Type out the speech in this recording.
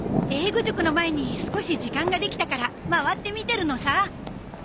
英語塾の前に少し時間ができたから回って見てるのさ。